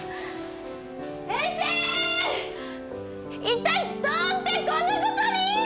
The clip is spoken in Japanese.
いったいどうしてこんなことに！